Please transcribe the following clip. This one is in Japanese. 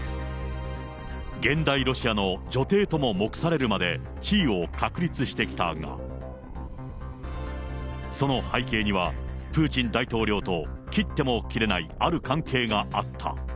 現代ロシアの女帝とも目されるまで地位を確立してきたが、その背景には、プーチン大統領と切っても切れない、ある関係があった。